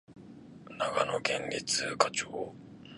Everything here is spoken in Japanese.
長野県立科町